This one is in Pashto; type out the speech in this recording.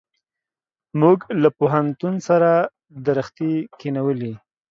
موږ له پوهنتون سره درختي کښېنولې.